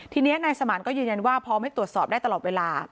ทีนี้นายสมานก็ยืนยันว่าพร้อมให้ตรวจสอบได้ตลอดเวลา